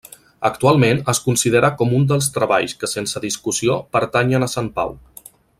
Actualment es considera com un dels treballs que sense discussió pertanyen a Sant Pau.